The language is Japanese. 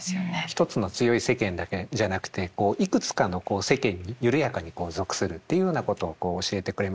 一つの強い世間だけじゃなくていくつかの世間に緩やかに属するっていうようなことを教えてくれましたし